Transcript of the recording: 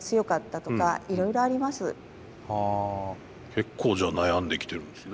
結構じゃあ悩んできてるんですね。